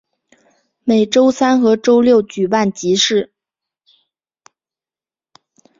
每周三和周六举办集市。